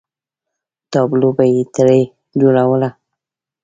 تابلو به یې ترې جوړوله.